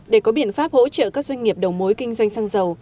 để có biện pháp hỗ trợ các doanh nghiệp đầu mối kinh doanh xăng dầu